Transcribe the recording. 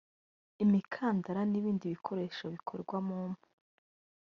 imikandara n’ibindi bikoresho bikorwa mu mpu